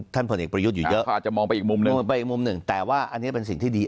ท่านพลเอกประยุทธอยู่เยอะมองไปอีกมุม๑แต่ว่านี้เป็นสิ่งที่ดี